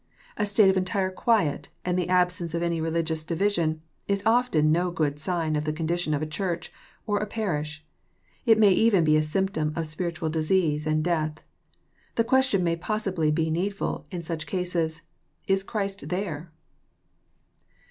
A state of entire quiet, and the absence of any religious divis ion, is often no good sign of the condition of a Church or a parish. It may even be a symptom of spiritual disease and death. The question may possibly be needful in such cases, " Is Christ there